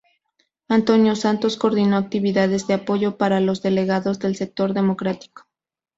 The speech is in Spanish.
Antonio Santos coordinó actividades de apoyo para los delegados del sector democrático.